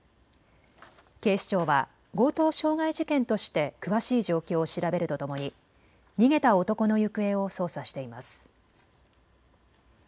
警視庁は強盗傷害事件として詳しい状況を調べるとともに逃げた男の行方を捜査しています。